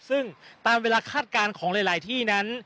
ซึ่งตามเวลาคาดการณ์ของหลายที่นั้น